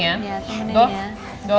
iya temenin ya